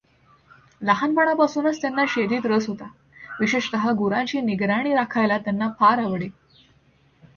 लहानपणापासूनच त्यांना शेतीत रस होता, विशेषतः गुरांची निगराणी राखायला त्यांना फार आवडे.